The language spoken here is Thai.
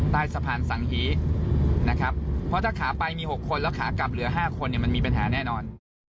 ใต้สะพานสังฮีนะครับเพราะถ้าขาไปมี๖คนแล้วขากลับเหลือ๕คนมันมีปัญหาแน่นอน